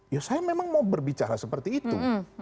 ya saya memang mau berbicara seperti itu